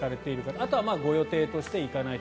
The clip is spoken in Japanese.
あとはご予定として行かないと。